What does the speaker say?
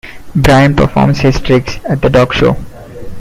Brian performs his tricks at the dog show.